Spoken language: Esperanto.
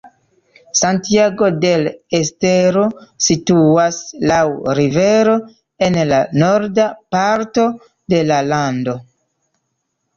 Santiago del Estero situas laŭ rivero en la norda parto de la lando.